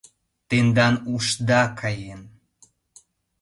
— Тендан ушда каен!